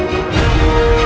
masih sama ya